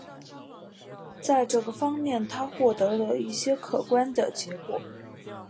在这个方面他获得了一些可观的结果。